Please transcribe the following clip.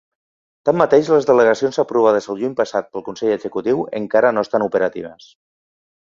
Tanmateix, les delegacions, aprovades el juny passat pel consell executiu, encara no estan operatives.